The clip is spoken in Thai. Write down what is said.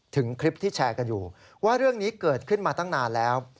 คลิปที่แชร์กันอยู่ว่าเรื่องนี้เกิดขึ้นมาตั้งนานแล้ว